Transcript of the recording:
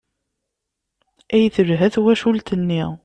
Ay telha twacult-nni!